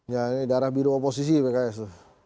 ya ini darah biru oposisi pks tuh